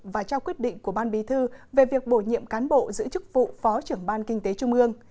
và trao quyết định của ban bí thư về việc bổ nhiệm cán bộ giữ chức vụ phó trưởng ban kinh tế trung ương